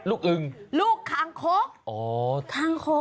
ลูกคางโคส